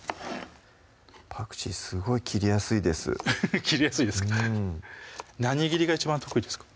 パクチーすごい切りやすいです切りやすいですかうん何切りが一番得意ですか？